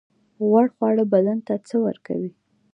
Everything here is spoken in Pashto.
غوړ خواړه بدن ته څه ورکوي؟